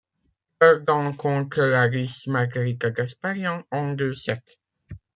Perdant contre la Russe Margarita Gasparyan, en deux sets.